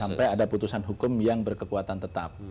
sampai ada putusan hukum yang berkekuatan tetap